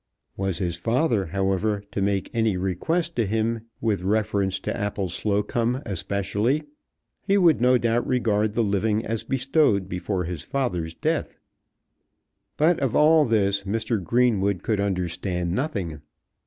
Was his father, however, to make any request to him with reference to Appleslocombe especially, he would no doubt regard the living as bestowed before his father's death. But of all this Mr. Greenwood could understand nothing.